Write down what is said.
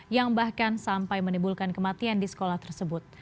yang bahkan sampai menimbulkan kematian di sekolah tersebut